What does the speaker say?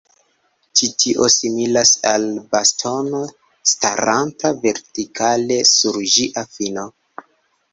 Ĉi tio similas al bastono staranta vertikale sur ĝia fino.